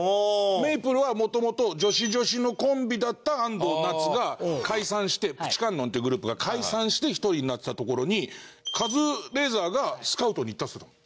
メイプルはもともと女子女子のコンビだった安藤なつが解散してぷち観音っていうグループが解散して１人になってたところにカズレーザーがスカウトに行ったっつってたもん。